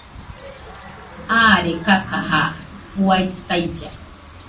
Aare kakaja juaɨ tailla